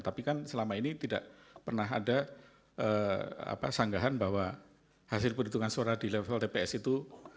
tapi kan selama ini tidak pernah ada sanggahan bahwa hasil perhitungan suara di level tps itu